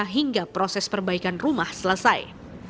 hingga proses perbaikan rumah selesai